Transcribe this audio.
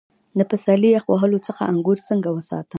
د پسرلي یخ وهلو څخه انګور څنګه وساتم؟